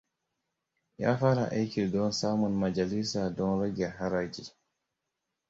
Ya fara aiki don samun Majalisa don rage haraji.